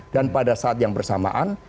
dan pada saat yang bersamaan